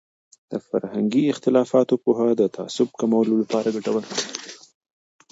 د فرهنګي اختلافاتو پوهه د تعصب کمولو لپاره ګټوره دی.